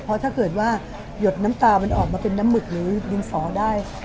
เพราะถ้าเกิดว่าหยดน้ำตามันออกมาเป็นน้ำหมึกหรือดินสอได้